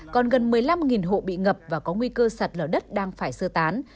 còn gần một mươi năm hộ bị ngập và có nguy cơ sạt lở đất đang phải sơ tán